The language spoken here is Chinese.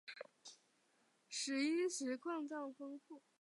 石英石矿藏丰富。